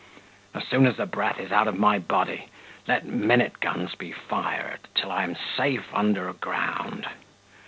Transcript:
As soon as the breath is out of my body, let minute guns be fired, till I am safe under ground.